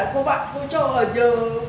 cô bắt cô cho ở nhà